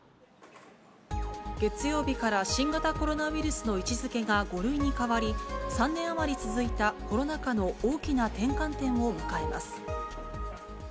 月曜日から新型コロナウイルスの位置づけが５類に変わり、３年余り続いたコロナ禍の大きな転換点を迎えます。